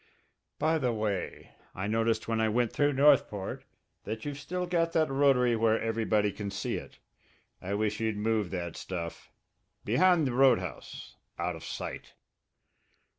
"By the way, I noticed when I went through Northport that you've still got that rotary where everybody can see it. I wish you'd move that stuff behind the roundhouse, out of sight."